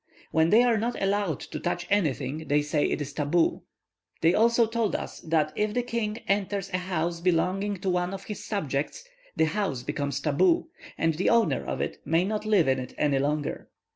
When they are not allowed to touch anything they say it is tabu. They also told us that if the king enters a house belonging to one of his subjects, the house becomes 'tabu,' and the owner of it may not live in it any longer."